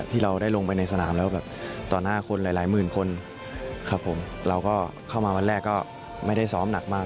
ที่เราได้ลงไปในสนามแล้วแบบต่อหน้าคนหลายหลายหมื่นคนครับผมเราก็เข้ามาวันแรกก็ไม่ได้ซ้อมหนักมาก